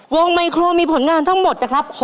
ไมโครมีผลงานทั้งหมดนะครับ